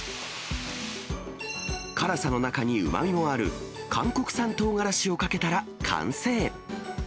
辛さの中にうまみもある韓国産トウガラシをかけたら完成。